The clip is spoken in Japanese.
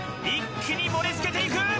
一気に盛り付けていく！